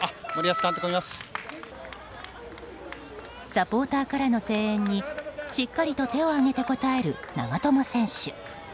サポーターからの声援にしっかりと手を上げて応える長友選手。